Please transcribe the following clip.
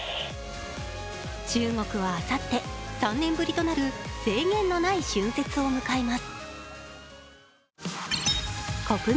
中国はあさって３年ぶりとなる制限のない春節を迎えます。